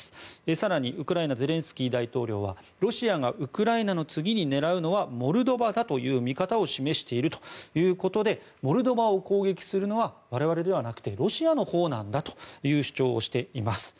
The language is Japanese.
更に、ウクライナのゼレンスキー大統領はロシアがウクライナの次に狙うのはモルドバだという見方を示しているということでモルドバを攻撃するのは我々ではなくてロシアのほうなんだという主張をしています。